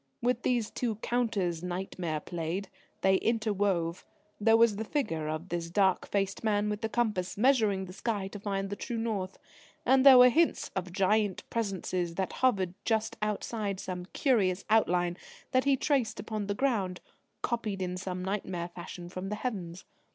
With these two counters Nightmare played. They interwove. There was the figure of this dark faced man with the compass, measuring the sky to find the true north, and there were hints of giant Presences that hovered just outside some curious outline that he traced upon the ground, copied in some nightmare fashion from the heavens.